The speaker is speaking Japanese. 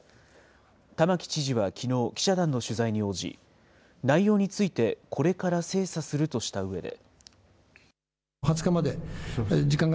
玉城知事はきのう、記者団の取材に応じ、内容についてこれから精査するとしたうえで。